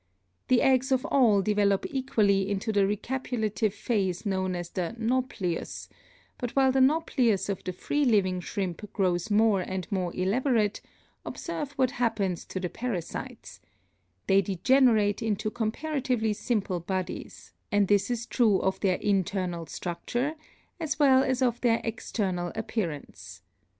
The eggs of all develop equally into the recapitulative phase known as the Nauplius, but while the Nauplius of the free living shrimp grows more and more elaborate, observe what happens to the parasites; they degenerate into comparatively simple bodies, and this is true of their internal structure as well as of their external appearance.